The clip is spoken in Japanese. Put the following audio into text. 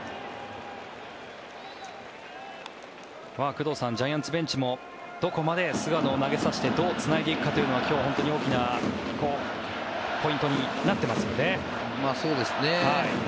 工藤さん、ジャイアンツベンチもどこまで菅野を投げさせてどうつないでいくかというのは今日、本当に大きなポイントになってますよね。